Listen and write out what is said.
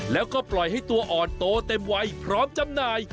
แล้วก็ปล่อยให้ตัวอ่อนโตเต็มวัยพร้อมจำหน่าย